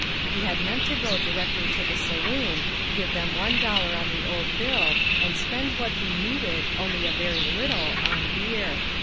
He had meant to go directly to the saloon, give them one dollar on the old bill, and spend what he needed, only a very little, on beer.